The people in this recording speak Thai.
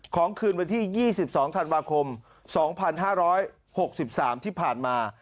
คืนวันที่๒๒ธันวาคม๒๕๖๓ที่ผ่านมา